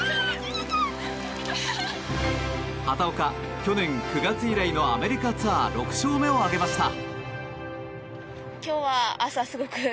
畑岡、去年９月以来のアメリカツアー６勝目を挙げました。